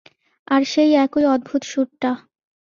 আর সেই একই অদ্ভুত সূরটা।